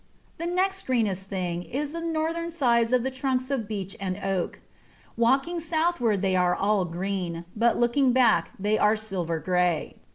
The next greenest thing is the northern sides of the trunks of beech and oak. Walking southward they are all green, but looking back they are silver grey.